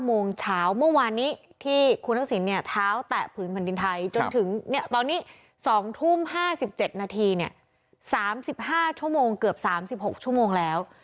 โมงเช้าเมื่อวานนี้ที่คุณทักษิณเนี่ยเท้าแตะผืนแผ่นดินไทยจนถึงตอนนี้๒ทุ่ม๕๗นาที๓๕ชั่วโมงเกือบ๓๖ชั่วโมงแล้ว